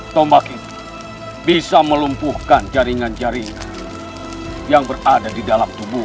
tombak itu bisa melumpuhkan jaringan jaringan yang berada di dalam tubuh